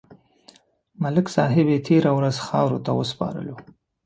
ملک صاحب یې تېره ورځ خاورو ته وسپارلو.